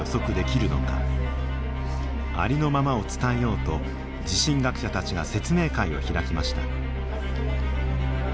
ありのままを伝えようと地震学者たちが説明会を開きました。